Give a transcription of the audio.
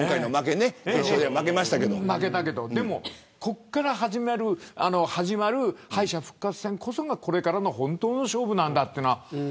負けたけど、でもここから始まる敗者復活戦こそがこれからの本当の勝負なんだという。